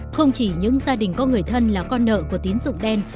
không chỉ những gia đình có người thân là con nợ của tín dụng đen